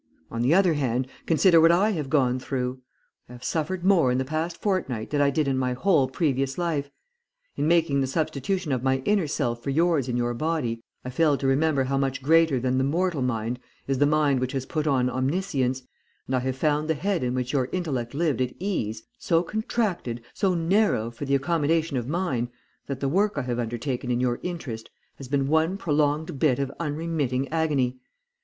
On the other hand, consider what I have gone through! I have suffered more in the past fortnight than I did in my whole previous life. In making the substitution of my inner self for yours in your body, I failed to remember how much greater than the mortal mind is the mind which has put on omniscience, and I have found the head in which your intellect lived at ease, so contracted, so narrow for the accommodation of mine, that the work I have undertaken in your interest has been one prolonged bit of unremitting agony.